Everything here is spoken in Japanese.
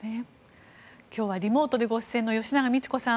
今日はリモートでご出演の吉永みち子さん。